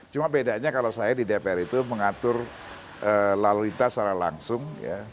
cuma bedanya kalau saya di dpr itu mengatur lalu lintas secara langsung